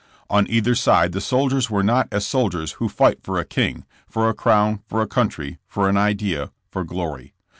On either side the soldiers were not as soldiers who fight for a king, for a crown, for a country, for an idea, for glory.